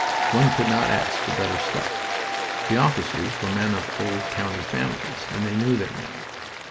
One could not ask for better stuff. The officers were men of old county families, and they knew their men.